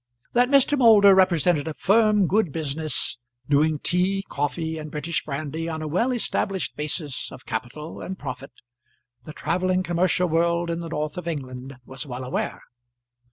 That Mr. Moulder represented a firm good business, doing tea, coffee, and British brandy on a well established basis of capital and profit, the travelling commercial world in the north of England was well aware.